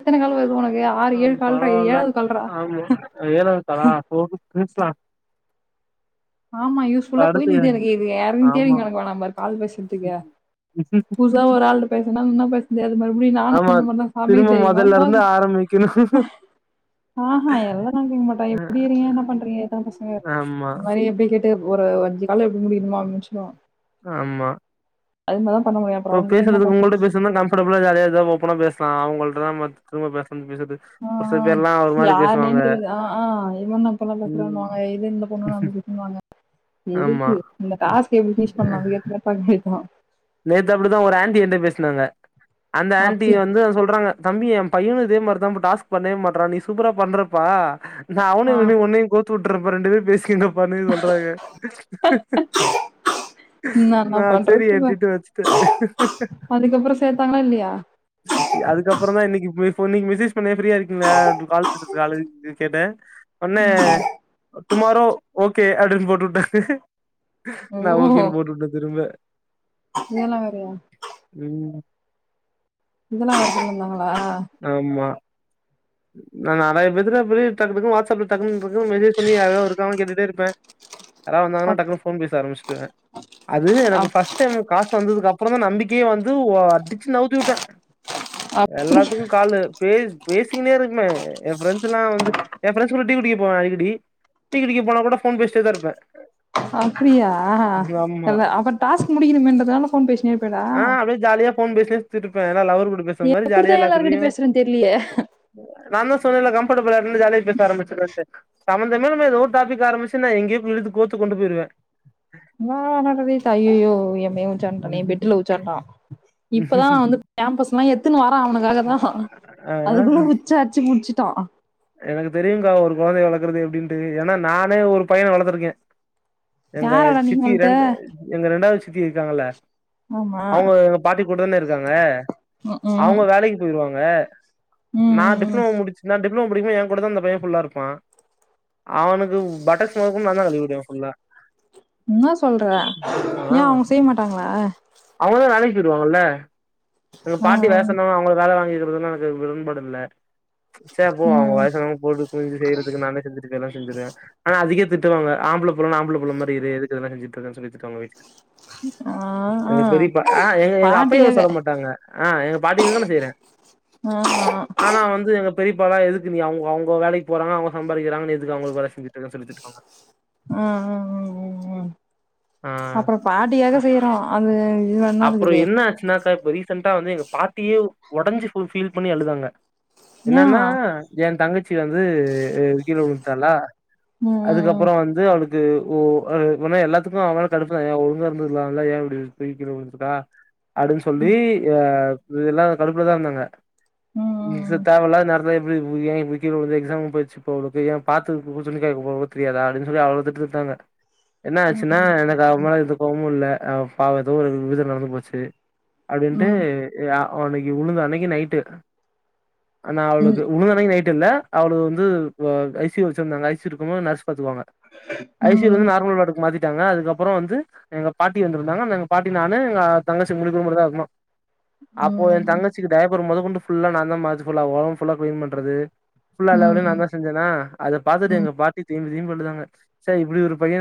எத்தன கால் வருது உனக்கு ஆறு ஆ ஏழு கால்ரா இது பரவால ஏழாவது கால்ரா ஆமா ஏலாது காலா போட் பிரிஸ்வா ஆமா யூஸ்ஃபுல்லா போயினுருக் எனக்கு இது இறங்கிட்ட ஆமா ஆமா கடக்கவேணா பாரு கால் பேசறதுக்கு புதுசா ஒரு ஆள் பேசுனா ஒன்னு பேச தெரியாது அது மறுபடியு நானு ஆமா ஒன்னு மதிரதா திரும்ப சாமிக்கு தெரியுமா மொதல்ல இருந்து போது ஆரம்பிக்கணு ஆஹா எல்லாம்ல்லா கேக மாட்டா எப்படிறீங்க என்ன பண்றீங்க எத்தன பசங்க ஆமா இந்த மாதிரி எப்படி கேட்டு ஒரு அஞ்சு கால எப்டி முடியுமா அப்பிச்சோ ஆமா அதுலதா இப்ப பேசறதுக்கு உங்களிட்ட பேசுறமாரி கஃபர்டபுலா ஜாலியாருந்தா ஓபனா பேசு பா அவங்கள்டிட்ட தா நாம் திரும்ப பேச ஆஹ் யாருனேு பேசுவாங்க தெரியுது ஆ ஆ இவண்ணப்பல்லா பேசுறுவாங்க ம் எது இந்தன பொண்ணும்னு அம்ப சொன்னுவாங்க ஆமா எதுக்கு இந்த காசு [unintelligible] நேத்து அப்படிதா ஒரு ஆன்டி என்ட்ட பேசினாங்க அந்த ஆண்டி அப்படியே வந்து அது சொல்றாங்க தம்பி எ பையனு இதே மாரி தா டாஸ்க் பண்ணவே மாட்டறா நீ சூப்பரா பண்றப்பா நா அவனு ஆ இவுனிய ஒன்னியு கோத் துற்றப்ப ரெண்டு பேர் பேஸின்ன பாண்ணி சொல்றாங்க நான் என்ன நா சேரி பண்றது டிரிட்டு வச்சிட்டு அதுக்கப்புறோ சேத்தாங்களா இல்லையா அதுக்கப்புறோதா இன்னிக்கு போய் இப்போ இன்னிக்கு மெசேஜ் பண்ணிய ஃப்ரியா இருக்கீங்களா கால் பேசுறது ஆள் இருந்திச்சி கே கேட்டே ஒன்னே ம் டுமாரோ ஓகே அப்பிடின் போட்டுவுட்டே ஓ நா ஓகேன்னு போட்டுவுட்ட திரும்ப இதெல்லா வேறையா ம் இதெல்லா வருதுனு வந்தாங்களா ஆம்மா. நா நெறைய பேத்துட்ட அப்பிடி டக்குடக்குனு வாட்ஸ்அப்ல டக்குன்டக்குனு மெசேஜ் பண்ணி யாரா இருக்காங்களா கேட்டுட்டே இருப்பே யாரா வந்தங்கன்னா அப் டக்குன்னு ஃபோன் பேச ஆரம்பச்சிடுவே அது எனக்கு ஃபஸ்ட் டைம் எனக்கு காசு வந்ததுக்கு அப்புறோ ப்புறோதா நம்பிக்கையே வந்து அடிச்சி நவுத்திவுட்டே. அப்படி எல்லாத்துக்கு கால் பேஸ் வேஸ் த்தினேருப்பே ஏ ஃபிரென்ஸ்லா வந்து ஏ ஃபிரென்ஸ் கூட டீ குடிக்க போவே அடிக்கடி டீ குடிக்க போனா கூட ஃபோன் பேசிட்டேதா இருப்பே. அப்பிடியா ஆ ஆமா எல்ல அப்புற டாஸ்க் முடிக்கணுமே இன்றனால ஃபோன் பேசினே இருபியடா. ஆ அப்டியே ஜாலியா ஃபோன் பேசினே சுத்திட்டு இருப்பே எல்லா லவர் நீ எப்பிடித்தா எல்லாருகிட்டியு பேசுறன்னு தெர்லியே நாதா சொன்னேல்ல கம்ஃபர்டபில்லா இன்னு ஜாலியா பேச ஆரம்பிச்சிறது சம்மந்தமே இல்லாம எதோரு டாப்பிக் ஆரம்சி நா எங்யோ இழுத்துகோத்து கொண்டு போயிருவே. ச்சாண்டனே நீ பெட்டல உச்சாண்டா. இப்பதா நா வந்து பேம்பஸ்லா எத்துன்னுவரா அவனுக்காகதா ஆ அதுக்குள்ள உச்சாஅட்சி முச்சிட்டா எனக்கு தெரியுங்கா ஒரு கொழந்தய வளக்கறது எப்பிடின்ட்டு ஏன்னா நானே ஒரு பையன வளர்த்திருக்கே. எங்க யாரோட சித்தி நீங்கள்ட்ட ரெண்டு எங்க ரெண்டாவது சித் சித்தி இருக்காங்கல்ல. மாமா. கூடனு இருக்காங்க அவங்க வேலைக்கு போய் சொல்லுவாங்க ம் நா ம் ம் டிப்ளமோ முடுச்சு நா டிப் ன்னும் புடிக்கு எ கூட தா அந்த பைய ஃபுல்லா இருப்பா அவனுக்கு பட்டக்ஸ் மொத கொண்டு நாந்தா கழுவிவுடுவ ஃபுல்லா என்னா சொல்ற ஆ ஏ அவுங்க செய்ய மாட்டாங்களா திட்டிருவாங்கள்ல எங்க ஆ பாட்டி வேல ஆ சொன்னாலு அவங்கள வேல வாங்கி க்குறதுனா எனக்கு உடன்பாடு இல்ல சேர் போ அவங்க ம் வயசானவங்க போட்டு குனுஞ்சு செய்யறதுக்கு நானே செஞ்சுட்டு போயிறலானு செஞ்சுருவ ஆனா அதுக்கே திட் திட்டுவாங்க ஆம்பள புள்ளனா ஆம்பள புள்ள மாரி இரு எதுக்கு இதுலா செஞ்சுட்டு இருக்கன் சொல்லி திட்டுவாங்க வீட்ல ஆ ஆ எங்க பெரியப்பா ஆ எங்க எங்க அப்பையு பாட்டிக்காக சொல்ல மாட்டாங்க ஆ எங்க பாட்டிக்காக நா செய்றே ஆமா ஆனா வந்து எங்கப் பெரிப்பாலா எதுக்கு நீ அவங்க அவங்க வேலைக்கு போறாங்க அவங்க சம்பாக்கிறாங்க நீ எதுக்கு அவங்களுக்கு வேல செஞ்சு ம் ம் ம் ம் ம் ஆ அப்புற பாட்டிக்காக செய்றோ அந்த அப்புறோ என்ன ஆச்சுனாக்கா இப்ப ரீசன் ரீசன்டா வந்து எங்க பாட்டியே ஒடஞ்சு ஃபுல் ஃபீல் பண்ணி அழுதாங்க ஏ என்னனா ஏந் தங்கச் சி வந்து கீழ உளுந்துட்டாலா ம் ம் அதுக்கப்பறோ வந்து அவளுக் இது ஓ அது இது மாரி எல்லாத்துக்கு அவ மேல கடுப்புதா ஏ ஒழுங்கா இருந்துருக்குளால்ல ஏ இப்டி போய் கீழ உளுந்துபுட்டா அப்டின் சொல்லி ஆ இதெல்லா கடுப்புலதா இருந்தாங்க இது ம் தேவ இல்லாத நேரத்துல இம் [unintelligible] ஏ இப்டி கீழ விழுந்து எக்ஸாம் போயிடுச்சு போ [unintelligible] பாத்து ஒரு துணி காயபோட தெரியாதா அப்டின் சொல்லி அவ்ளோ திட்டு திட்டுனாங்க என்ன ம் ம் ஆச்சுன்னா எனக்கு அவ மேல எந்த கோவமு இல்ல அவ பாவத் எதோ ஒரு விபத்து நடந்து போச்சு அப்டின்டு ம் யா அன்னைக்கு உளுந்த அன்னைக்கு நைட்டு ஆனா அவளுக் ம் உணு அன்னக்கி நைட் இல்ல அவள வந்து ஐ சி யூ ல வச்சிருந்தாங்க ஐ சி யூ ல இருக்கும்போது நர்ஸ் பார்த்துக்கோங்க ஐசியூ வந்து நார்மல் வாடுக்கு மாதிரி த்திடாங்க அதுக்கு அப்புறோ வந்து எங்க பாட்டி வந்துருந்தாங்கங்க பாட்டி நானு அ தங்கச்சி மூணு பேரு மட்டு தா இருந்தோ அப்போ என் ம் தங்கச்சிக்கிட்ட முதகொண்டு ஃபுல்லா நா தா [unintelligible] ஒடம்பு ஃபுல்லா கிளீன் பண்றது ஃபுல்லா எல்லா ம் வேலையு நா ம் தா செஞ்சேனா அத பார்த்துட்டு ம் எங்க பாட்டி தே ஃபீல்பன்னாங்க ச இப்டி ஒரு பைய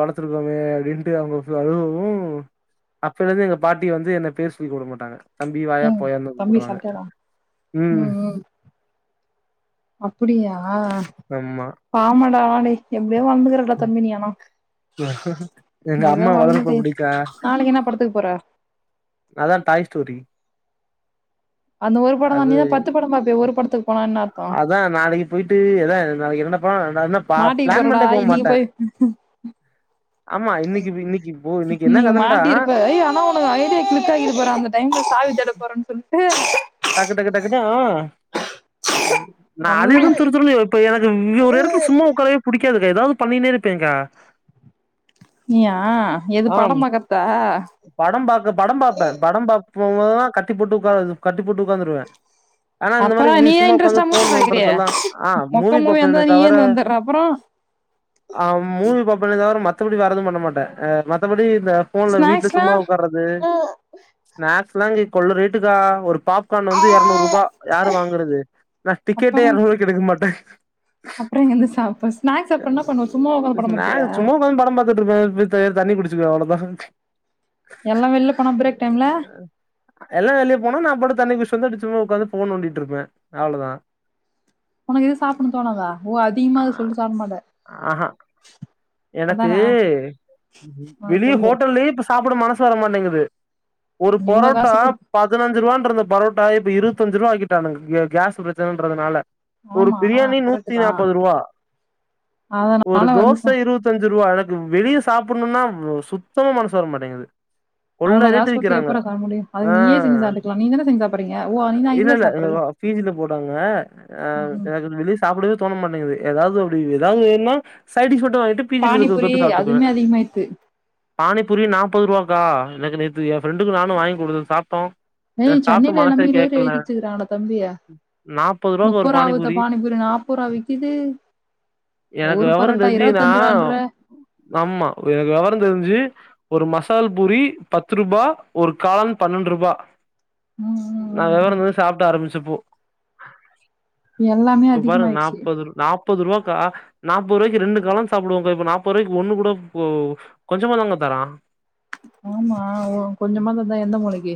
வளர்த்துருக்கோமே அப்டின்ட்டு அவங்க [unintelligible] ம் அப்பைலஇருந்தே எங்க பாட்டி வந்து என்ன பேரு சொல்லி குப்ட மாட்டாங்க தம்பி வாயா ஏங்க போயானு தா தம்பி கூடுவாங்க சாப்ட்டானா ம் அப்டியா ஆ ஆமா ஆமாடா [unintelligible] எம் இப்டியே வாழ்ந்துக்குறட தம்பி னி ஆனா எங்க ஏதோ அம்மா வளர்ப்பு வாழ்ந்துட்டு அப்டிக்கா போய் நாளைக்கு என்ன படத்துக்கு போற அதா தாய் ஸ்டோரி அந்த ஒரு படம் தான அது நீதா பத்து படம் பாப்பியே ஒரு படத்துக்கு போனா என்ன அர்த்தோ அதா நாளைக்கு போயிட்டு ஏதா நாளைக்கு என்னடா மாட்டிக்க போறடா இன்னைக்கு போய் ஆமா இன்னைக்கு இன்னைக்கு போ இன்னைக்கு என்ன இன்னக்கி கதன்டா மாட்டிருப்ப ஆனா உனக்கு ஐடியா கிளிக் ஆகிட்டு போல அந்த டைம்ல சாவி தேட போறேன்னு சொல்ட்டு டக்கு டக்கு டக்ககுன்ட்டு ஆ நா அதுஎது நல்லா துரு துருன்னு இருபன் எனக்கு ஒரு எடத்துல சும்மா உட்காரவே புடிக்காது ஏதாவது பண்ணினே இருப்பேங்கா நீயா எது பட பாக்கறதா ம்மா கட்டி போட்டு உட்காரது கட்டிபோட்டு உட்காந்துருவே ஆனா இந்த மாரி அப்புறம் நீ வீட் ஏன் சும்மா உக்காந்து இன்ட்ரெஸ்டா மூவி ஃபோன் பாக்குறிய நோன்றதலா ஆ மொக்க மூவி பாப்பே இருந்தா நீ தவிர ஏந்து வந்துடுற அப்புறம் ஆ மூவி பாப்பேனே தவர மத் மத்தபடி வேறேது பண்ண மாட்ட மத்தபடி இந்த ஃபோன்ல வீட்டுல ஸ்நாக்ஸ்லா சும்மா உக்காறது ஸ்நாக்ஸ்லாஜி கொள்ள ரேட்டுக்கா ஒரு பாப்க்கான் வந்து இரநூறு ரூவா யாரு வாங்குறது நா டிக்கெட்டே அப்புறம் இரநூறுவாக்கி எடுக்கமாட்டே [inaudible] அப்புறம் எங்க இருந்து சாப்ப ஸ்நாக்ஸ் அப்புறம் என்ன பண்ணுவ சும்மா உட்காந்து படம் நா பாத்துருவியா சும்மா உக்காந்து படம் பாத்துட்டு இருப்பே பி தே தண்ணி குடிச் ட்டு அவ்ளதா எல்லா வெள்ல போனா பிரேக் டைம்ல எல்லா வெளிய போனா நா பாட்டுக்கு தண்ணி குடிச்ட்டு வந்து அப்பிடி சும்மா உட்காந்து ஃபோன் நோண்டிட்டுருப்பே அவ்ளதா உனக்கு இது சாப்பிணு தோணாதா ஓ அதிகமாக் சொல்ட்டு சாப்டமாட்ட ஆஹா எனக்கு அதான அ சொல்லு சு வர மாட்டேங்குது ஒரு இவ்ளோ பரோட்டா காசு கொடுத்து பதினஞ்சி ரூவான்ந்த பரோட்டா இப்ப இருவத்தஞ்சி ரூவா ஆக்கிட்டானுங்க கே கேஸ் பிரச்சனன்டறதுனால ஒரு ஆமா பிரியாணி கரெக்ட் நூத்தி தான் நாற்பது ரூவா ஒரு அதனால தோச வந்து இருவத்திஞ்சி ரூவா அட வெளிய சாப்புணுன்னா சுத்தமா மனசு வர மாட்டேங்குது கொள்ள அவ்ளோ காசு ரேட்டு குடுத்து விக்கிறாங்க எப்புட்ரா சாப்முடியு ஆ அதுக்கு நீயே செஞ்சி சாட்டுக்கலா நீ தான் இல்ல இதுல இல்ல சாப்புட்றல்ல இதுவா பீஜ்ல போட்டாங்க அ ம் எனக்கு வெளியே சாப்பிடவே தோணமாட்டேங்து ஏதாவது அப்பிடி ஏதாவது வேணுன்னா ஷைடிஷ்வோ பானிபூரி அதுமே அதிகமாயித்து பானிபுரி நாப்பது ரூவாக்கா எனக்கு நேத்து என் ஃப்ரெண்டுக்கு நானு வாங்கி கொடுத்தன் சாப்ட்டோ ஏ எனக்கு சாப்ட்டு சென்னையில மனசே எல்லாமே ரேர் கேக்கல எழுதி வச்சிருக்காங்கடா தம்பி நாப்பது ரூபாக்கு ஒரு முப்பரூவா வித்த பானிபூரி பானிபுரி நாப்பரூவா விக்கிது எனக்கு ஒரு வெவரோ பரோட்டா தெரிஞ்சு நா இருபத்தஞ்சி ரூவான்ற ஆமா எனக்கு வெவரோ தெரிஞ்சு ஒரு மசால் பூரி பத்து ரூபா ஒரு காளன் பன்னெண்டு ரூபா ம் நா ம் ம் விவரோ ம். தெரிஞ்சி சாப்ட்ட ஆரம்பிச்சப்போ [unintelligible] எல்லாமே அதிகமாயிடிச்சி ப்பது ரூவாக்கா நாப்பது ரூவாய்க்கு ரெண்டு காளான் சாப்புடுவோங்கா இப்ப நாப்பது ரூவாய்க்க ஒன்னு கூட கொ கொஞ்சமாதாங்க தரா ஆமா ஒ கொஞ்சமா தந்தா எந்த மூளைக்கு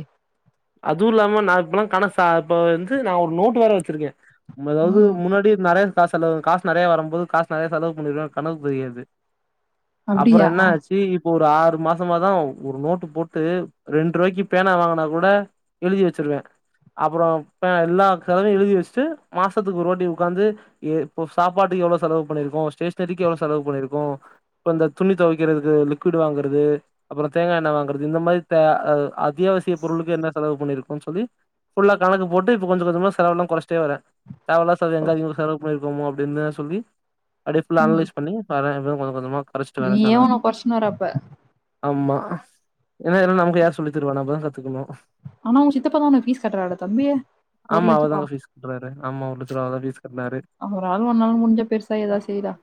அதுவு இல்லாம நா இப்பெல்லா கனா இப்ப வந்து நா ஒரு நோட்டு வேற வச்சிருக்கே நம்ம எதாது ம் முன்னாடி நெற கா செலவு காசு நெறையா வரும்போது காஸ் நெறைய செலவு பண்ணிருவே கணக்கு தெரியாது அப்புறோ அப்டியா என்ன ஆச்சி இப் இப்ப ஒரு ஆறு மாசமாதான் ஒரு நோட்டு போட்டு ரெண்டு ரூபாய்க்கு பேனா வாங்கினா கூட எழுதி வச்சிருவேன் அப்புறோம் எல்லா செலவையும் எழுதி வச்சுட்டு மாசத்துக்கு ஒரு வாட்டி உட்காந்து இப்ப சாப்பாட்டுக்கு எவ்வளோ செலவு பண்ணிருக்கோம் ஸ்டேஷனரிக்கு எவ்வளோ செலவு பண்ணிருக்கோம் இப்ப இந்த துணி துவைக்கிறதுக்கு லிக்விட் வாங்குறது அப்புறோம் தேங்காய் எண்ணெய் வாங்குறது இந்த மாதிரி அத்தியாவசிய பொருளுக்கு என்ன செலவு பண்ணிருக்கோம் சொல்லி ஃபுல்லா கணக்கு போட்டு இப்ப கொஞ்சம் கொஞ்சமா செலவு எல்லாம் குறைச்சுட்டே வரேன் தேவையில்லாத செலவு எங்க அதிகமா செலவு பண்ணிரு ப்ரோமோ அப்படின்னு சொல்லி அடிஷனல்லா ம் அன்னலைஸ் பண்ணி வரேன் கொஞ்ச கொஞ்சமா கொறச்சிட்டு வரே நீயே செலவ ஓன்ன கொறச்சுன்னு வர அப்ப ஆமா ஏன்னா இல்லான நமக்கு யார் சொல்லி தருவா நம்மதான் கத்துக்கணும் ஆனா உங்க சித்தப்பா தான் உனக்கு ஃபீஸ் கட்டுறாருடா தம்பி ஒரு ஆமா லட்சம் ரூபா அவர்தாங்க ஃபீஸ் கட்றாரு ஆமா ஒரு லட்ச ரூபா அவர்தா ஃபீஸ் கட்னாரு அவராலு ஒன்னால முடிஞ்சா பெருசா ஏதாவு செய்ரா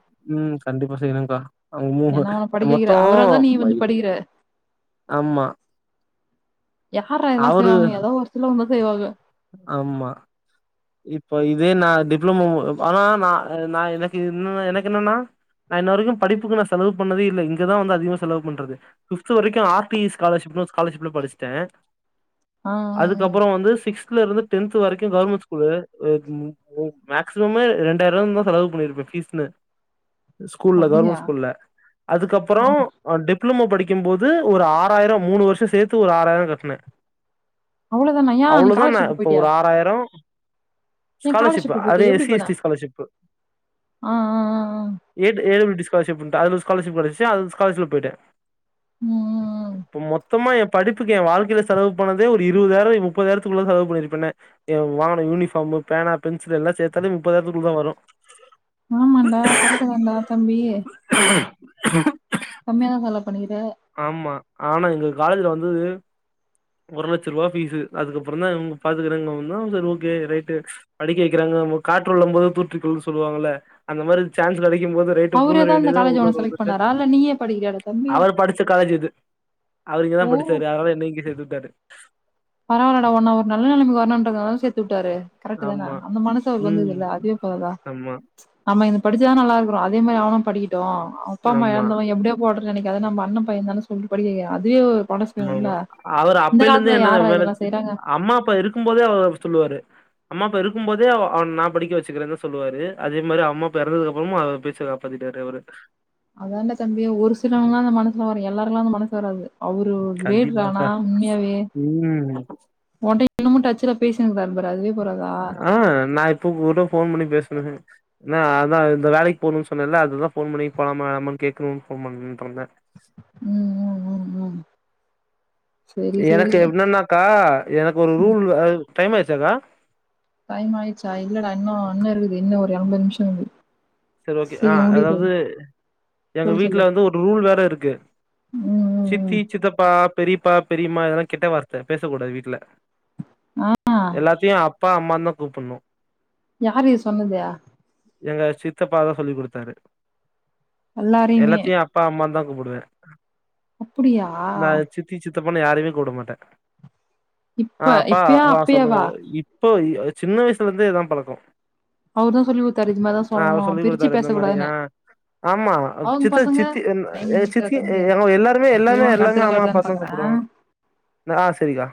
அவுங்க மூ பே மொத்தம் வந்து படிக்கிற ஆமா யாரா இதெல்லாம் அவரு செய்வாங்க ஏதோ ஒரு சிலவுங்க செய்வாங்க ஆமா இப்ப இதே நான் டிப்ளமோ ஆனா நான் எனக்கு என்ன எனக்கு என்னன்னா நான் இன்ன வரைக்கும் படிப்புக்கு நான் செலவு பண்ணதே இல்லை இங்கதான் வந்து அதிகமா செலவு பண்றது பிப்த் வரைக்கும் ஆர் டி இ ஸ்காலர்ஷிப் ஸ்காலர்ஷிப்ல படிச்சுட்டேன் ஆ, ஆ. அதுக்கப்புறோம் வந்து சிக்ஸ்த் சிக்ஸ்த்துல இருந்து டென்த் வரைக்கும் கவர்மெண்ட் ஸ்கூல்லு மேக்சிம்மே ரெண்டாயிரம் தான் செலவு பண்ணிருப்பேன் ஃபீஸ்ன்னு ஸ்கூல்ல அப்டியா? கவர்மெண்ட் ஸ்கூல்ல அதுக்கப்புறோம் ஆமா. டிப்ளமோ படிக் கும் போது ஒரு ஆறாயிரம் மூணு வருஷம் சேர்த்து ஒரு ஆறாயிரம் கட்னேன் அவ்ளோதான யான் தானே இப்ப ஒரு ஆறாயிரம் ஏன் ஸ்காலர்ஷிப் ஸ்காலர்ஷிப்ல அதே போயிட்டியா? எஸ் எப்டி சி எஸ் போன? டி ஸ்காலர்ஷிப் ஆ, ஆ, ஆ, ஆ. எ ஏ டபிள்யூ டி ஸாகாலர்ஷிப் அது ஸ்காலர்ஷி கெடைச்சு அது ஸ்காலஷிப் போய்ட்டேன் ம், ம், ம். இப்ப மொத்தமா எப் படிப்புக்கு என் வாழ்க்கையில செலவு பண்ணதே ஒரு இருவதாயிரம் முப்பதாயிரம் செலவு பண்ணிருப்பேனே வாங்க யூனிஃபார்ம்மு பேனா பென்சில் எல்லா சேத்தாலும் முப்பதாயிரத்து குள்ள தான் வரும் ஆமான்டா கரெட்டு தாண்டா தம்பி ஹ [unintelligible] கம்மியா தான் செலவு பண்ணிக்கிற. ஆமா ஆனா எங்களுக் காலேஜ்ல வந்து ஒரு லட்ச ரூவா பீஸ்ஸு அதுக்கப்றோ தா இவுங்க பாத்துக்குறாங்கவோந்தா சரி ஓகே ரைட்டு படிக்க வக்றாங்க காற்றுள்ளும் போது தூற்றி கொள்ன்னு சொல்லுவாங்கல்ல அந்த மாரி சான்ஸ் கெடை க்கும் போது ரைட்டு அவரே பூந்ரா தான் இந்த வேண்டியதா காலேஜ உன்ன உள்ளூர் செலக்ட் வந்துட்டு பண்ணாரா? இல்ல நீயே படிக்கிறியாடா தம்பி? அவர் படிச்ச காலேஜ் இது அவர் இங்க தா ஓ! படுச்சாரு அதனால என்ன இங்கயே சேத்து த்தாரு பரவாலடா ஒன்ன ஒரு நல்ல நெலமைக்கு வரணுன்றதுக்காக சேத்து ட்டாரு கரெக்ட்டு தான ஆமா அந்த மனசு அவர்க்கு ம் வந்ததுல்ல அதுவே போதாதா ஆமா நம்ம இங்க படிச்சா தா நல்லா இரு அப்றோ அதே மாரி அவனு படிக்கட்டு ட்டு அப்பா அம்மா ஆமா எழந்தவ எப்டியோ போட்டு நெனக்காத நம்ம அண்ண பையந்தான்னு சொல்லிட்டு படிக்க வக்ராரு அதுவே ஒரு மனசு ஆமா வேணும்ல? ஆமா அவர் இந்த அப்பேல இருந்தே காலத்துல என்ன யார்றா மே இதெல்லாம் செய்றாங்க? அம்மா அப்பா இருக்கும் போதே அவர் அப்டி சொல்வாரு அம்மா அப்பா இருக்கும்போதே அவன நா படிக்க வச்சுக்கறேனு தா சொல்லுவாரு அதே மாரி அம்மா அப்பா எறந்ததுக்கு அப்றமு அவர் பேச்ச காப்பாத்திட்டாரு அவரு அதான்டா தம்பி ஒரு சிலவங்லா அந்த மனசு வரு எல்லாருக்லா அந்த மனசு வராது அவரு கிரேட்ரா ஆனா கண்டிப்பாக்கா உண்மயாவே ம் ஒன்ட்ட இன்னுமு டச்ல பேசினுருக்ராரு பாரு அதுவே போராதா ஆ நா இப்போ கூட ஃபோன் பண்ணி அதா இந்த வேலைக்கு போனுன்னு சொன்னேல அதுதா ஃபோன் பண்ணி போலாமா வேணாமானு கேக்ணுனு ஃபோன் பண்ட்டு இருந்தே உம் உம் உம் உம் எனக்கு என்னனாக்கா எனக்கு ஒரு ரூல்லு டைம் ஆயிச்சாக்கா டைம் ஆய்ச்சு ஆய் இல்லடா இன்னு இன்னு இருக்குது இன்னு ஒரு அம்பது நிமிஷ இருக்குது சரி ஓகே ஆ சீக்கிரம் முடிக்க அதாவ்து போகுது. எங்க சொல்லு, வீட்ல சொல்லு. வந்து ஒரு ரூல் வேற இருக்கு கு ம், ம், சித்தி ம். சித்தப்பா பெரியப்பா பெரியம்மா இதெல்லா கெட்ட வார்த்த பேசக்கூடாது வீட்ல ஆ எல்லாத்தயு அப்பா அம்மான்னு தா கூப்புடணு யாரு இது சொன்னது சித்தப்பா தா சொல்லி குடுத்தாரு எல்லாரையுமே. எல்லாத்தையு அப்பா அம்மா தான் கூப்டுவே அப்படியா அத்த பொண்ணு யாரையுமே கூப்ட மாட்டேன் இப்ப இப்பயா அப்பயேவா இப்ப இ சின்ன வயசுல இருந்தே இதான் பழக்கம் அவர் தான் சொல்லி குத்தார் இது மாரி தான் சொ ஆ அவர் சொல்லி கொடுத்தாரு இந்த மாதிரி ஆ ஆமா அவங்க சித்த பசங்க? சித்தி எங்க டைம் முடிஞ்சுதா சித்தி தம்பி? எங்க எல்லாருமே இரு எல்லாமே உனக்கு அடுத்த எல்லாமே கால் அம்மா வருதான்னு அப்பான்னு தான் பாக்குறேன் கூப்பிடுவோம் ஆ செரிக்கா